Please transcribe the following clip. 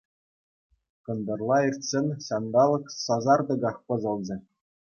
Кӑнтӑрла иртсен ҫанталӑк сасартӑках пӑсӑлчӗ.